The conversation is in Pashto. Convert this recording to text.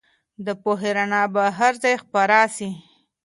د پوهې رڼا به هر ځای خپره سي.